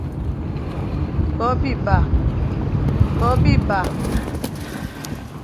Ko biba.